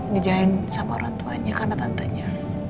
dijahin sama orang tuanya karena tantanya